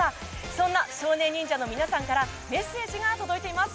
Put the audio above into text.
そんな少年忍者の皆さんからメッセージが届いています。